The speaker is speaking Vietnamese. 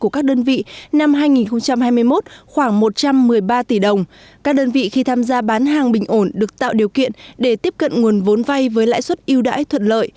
các đơn vị khi tham gia bán hàng bình ổn được tạo điều kiện để tiếp cận nguồn vốn vay với lãi suất yêu đãi thuận lợi